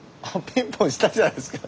ピンポン押してるじゃないですか。